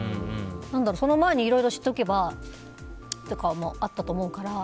その前にいろいろ知っておけばということもあったと思うから。